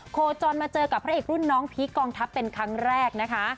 โคจรมาเจอกับพระเอกรุ่นน้องพีคกองทัพเป็นครั้งแรกนะคะ